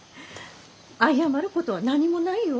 謝ることは何もないよ。